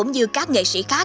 và các nghệ sĩ khác